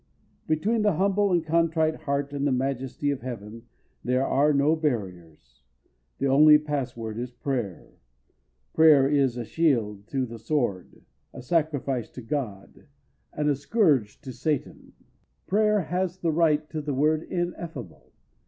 Between the humble and contrite heart and the Majesty of heaven there are no barriers. The only password is prayer. Prayer is a shield to the sword, a sacrifice to God, and a scourge to Satan. Prayer has a right to the word "ineffable."